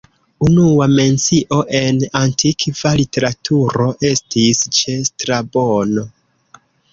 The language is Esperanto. Unua mencio en antikva literaturo estis ĉe Strabono.